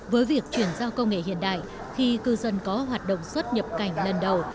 với việc chuyển giao công nghệ hiện đại khi cư dân có hoạt động xuất nhập cảnh lần đầu